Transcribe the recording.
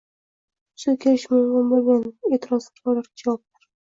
Yuzaga kelishi mumkin bo‘lgan e’tirozlar va ularga javoblar